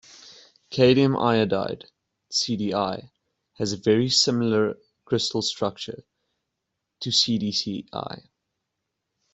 Cadmium iodide, CdI, has a very similar crystal structure to CdCl.